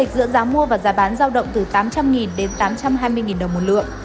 giữa giá mua và giá bán giao động từ tám trăm linh đến tám trăm hai mươi đồng một lượng